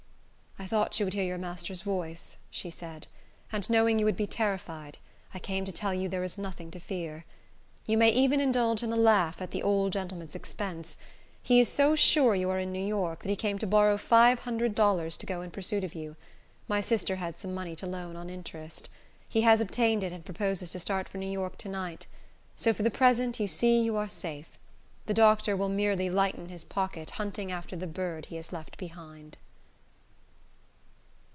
"I thought you would hear your master's voice," she said; "and knowing you would be terrified, I came to tell you there is nothing to fear. You may even indulge in a laugh at the old gentleman's expense. He is so sure you are in New York, that he came to borrow five hundred dollars to go in pursuit of you. My sister had some money to loan on interest. He has obtained it, and proposes to start for New York to night. So, for the present, you see you are safe. The doctor will merely lighten his pocket hunting after the bird he has left behind."